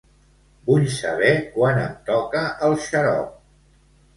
Vull saber quan em toca el xarop.